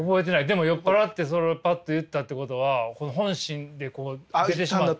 でも酔っ払ってそれをパッと言ったってことは本心でこう出てしまった。